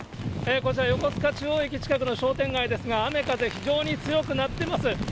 こちら、横須賀中央駅近くの商店街ですが、雨風非常に強くなっています。